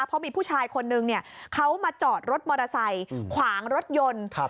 เพราะมีผู้ชายคนนึงเนี่ยเขามาจอดรถมอเตอร์ไซค์ขวางรถยนต์